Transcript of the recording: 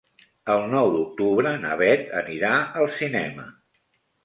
El nou d'octubre na Bet anirà al cinema.